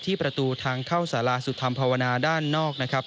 ที่ประตูทางเข้าศาลาสุธธรรมภาวนาออกนะครับ